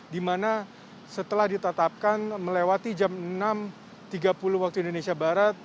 dimana setelah ditetapkan melewati jam enam tiga puluh waktu indonesia barat